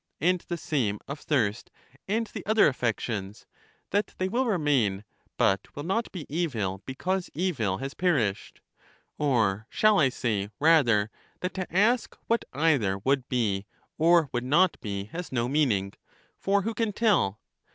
And the same of thirst and the other affections, — that they will remain, but will not be evil because evil has perished ? Or shall I say rather, that to ask what either would be or would not be has no meaning, for who can tell